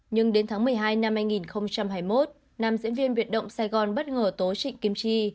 nhưng đến tháng một mươi hai năm hai nghìn hai mươi một nam diễn viên biệt động sài gòn bất ngờ tố trịnh kim chi